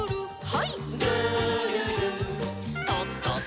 はい。